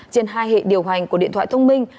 trên hai hệ điều hành của điện thoại thông minh